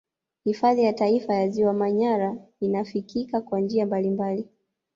Hifadhi ya Taifa ya ziwa Manyara inafikika kwa njia mbalimbali